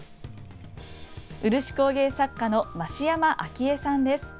漆工芸作家の増山明恵さんです。